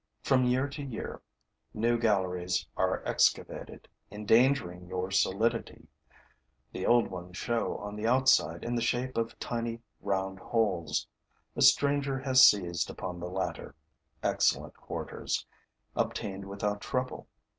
From year to year, new galleries are excavated, endangering your solidity. The old ones show on the outside in the shape of tiny round holes. A stranger has seized upon the latter, excellent quarters, obtained without trouble.